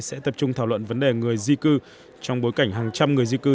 sẽ tập trung thảo luận vấn đề người di cư trong bối cảnh hàng trăm người di cư